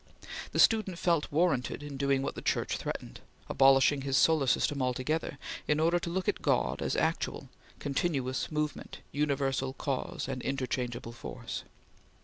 The student felt warranted in doing what the Church threatened abolishing his solar system altogether in order to look at God as actual; continuous movement, universal cause, and interchangeable force.